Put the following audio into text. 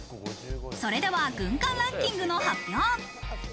それでは軍艦ランキングの発表。